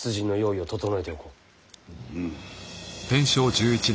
うん。